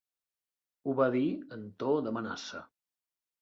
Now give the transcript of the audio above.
Ho va dir en to d'amenaça.